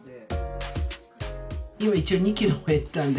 今一応２キロ減ったんで。